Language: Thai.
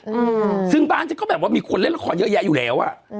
อืมซึ่งบ้านฉันก็แบบว่ามีคนเล่นละครเยอะแยะอยู่แล้วอ่ะอืม